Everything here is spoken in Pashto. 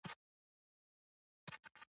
ایا ډوډۍ مو زړه ته کیږي؟